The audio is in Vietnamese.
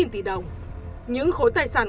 chín tỷ đồng những khối tài sản